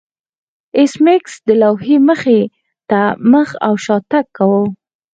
ایس میکس د لوحې مخې ته مخ او شا تګ کاوه